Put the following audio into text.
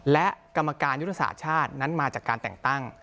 และกรรมการยุทธศาสตร์ชาตินั้นมาจากการแต่งตั้ง